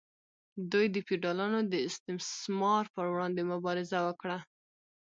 دوی د فیوډالانو د استثمار پر وړاندې مبارزه وکړه.